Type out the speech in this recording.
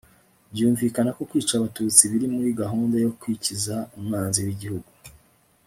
byumvikana ko kwica abatutsi biri muri gahunda yo kwikiza umwanzi w'igihugu